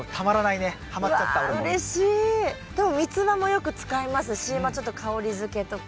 でもミツバもよく使いますしまあちょっと香りづけとか。